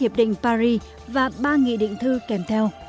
hiệp định paris và ba nghị định thư kèm theo